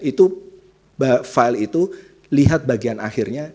itu file itu lihat bagian akhirnya